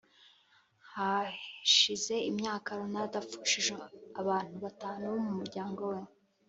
Hashize imyaka Ronaldo apfushije abantu batanu bo mu muryango we